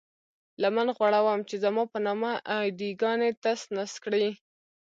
لمن غوړوم چې زما په نامه اې ډي ګانې تس نس کړئ.